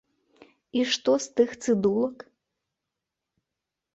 І што з тых цыдулак?